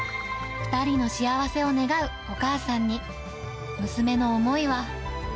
２人の幸せを願うお母さんに、娘の思いは。